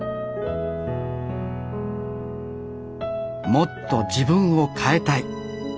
「もっと自分を変えたい」。